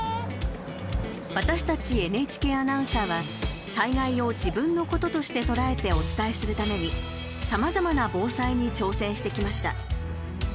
私たちＮＨＫアナウンサーは災害を自分のこととして捉えてお伝えするためにさまざまな防災に挑戦してきました。